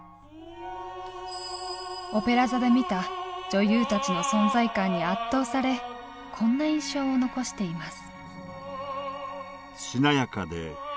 オペラ座で見た女優たちの存在感に圧倒されこんな印象を残しています。